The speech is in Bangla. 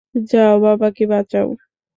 যাও, তোমার বাবাকে বাঁচাও!